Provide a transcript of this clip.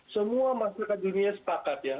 semua masyarakat dunia sepakat ya